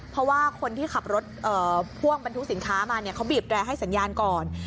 เพราะว่าคนที่ขับรถพ่วงบรรทุกสินค้ามาเนี่ยเขาบีบแรร์ให้สัญญาณก่อน